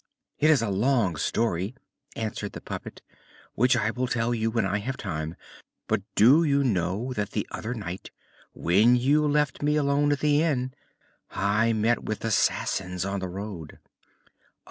"It is a long story," answered the puppet, "which I will tell you when I have time. But do you know that the other night, when you left me alone at the inn, I met with assassins on the road?"